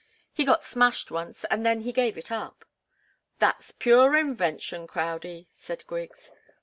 He got smashed once, and then he gave it up." "That's pure invention, Crowdie," said Griggs.